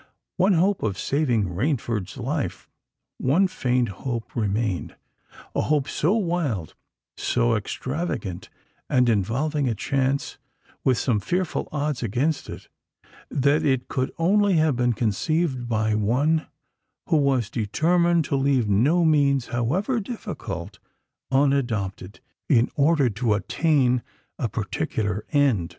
One hope of saving Rainford's life—one faint hope remained,—a hope so wild—so extravagant—and involving a chance with such fearful odds against it, that it could only have been conceived by one who was determined to leave no means, however difficult, unadopted, in order to attain a particular end.